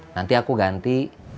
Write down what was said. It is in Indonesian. nanti aku ganti